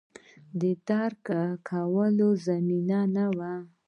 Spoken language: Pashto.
د درک کولو زمینه نه وه